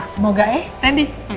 semoga eh randy